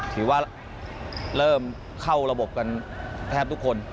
ถือว่าเริ่มเข้าระบบกันแทบทุกคน